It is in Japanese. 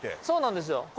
そうなんですよ。